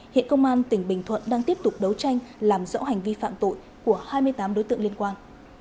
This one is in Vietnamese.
hiện công an tỉnh bình thuận đang tiếp tục đấu tranh làm rõ hành vi phạm tội của hai mươi tám đối tượng liên quan